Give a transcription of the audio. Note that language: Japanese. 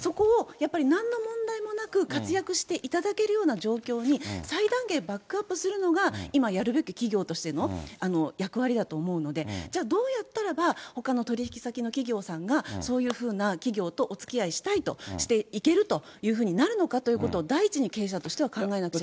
そこを、やっぱりなんの問題もなく活躍していただけるような状況に最大限バックアップするのが、今やるべき企業としての役割だと思うので、じゃあどうやったらば、ほかの取り引き先の企業さんが、そういうふうな企業とおつきあいしたいと、していけるというふうになるのかということを、第一に経営者としては考えなきゃいけないと。